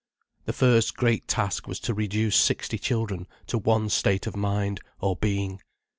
The first great task was to reduce sixty children to one state of mind, or being.